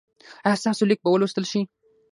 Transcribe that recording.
ایا ستاسو لیک به ولوستل شي؟